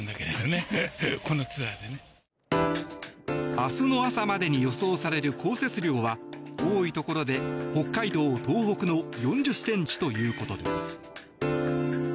明日の朝までに予想される降雪量は多いところで北海道、東北の４０ｃｍということです。